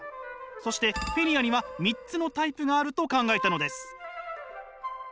そしてフィリアには三つのタイプがあると考えたのです。